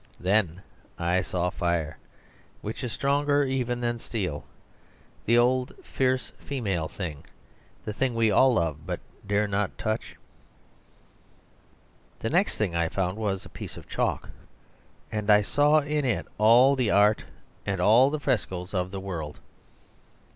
Then I saw fire, which is stronger even than steel, the old, fierce female thing, the thing we all love, but dare not touch. The next thing I found was a piece of chalk; and I saw in it all the art and all the frescoes of the world.